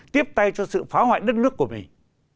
tiếp tay cho sự phá hoại đất nước của mình